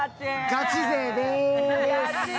ガチ勢でーす！